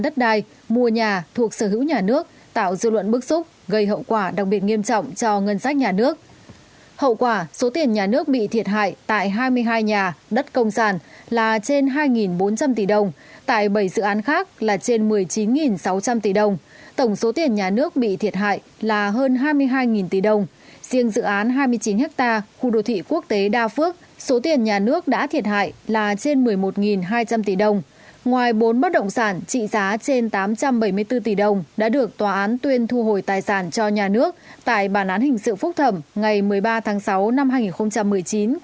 tại bản án hình sự phúc thẩm ngày một mươi ba tháng sáu năm hai nghìn một mươi chín của tòa án nhân dân cấp cao tại hà nội